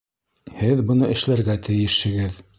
Һеҙ быны эшләргә тейешһегеҙ!